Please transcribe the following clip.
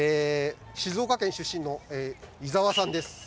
静岡県出身の伊沢さんです。